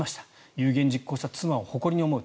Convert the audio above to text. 有言実行した妻を誇りに思う。